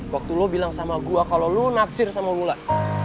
waktu lo bilang sama gue kalau lo naksir sama wulan